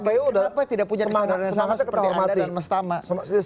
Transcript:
tapi tidak punya kesadaran yang sama seperti anda dan mas tama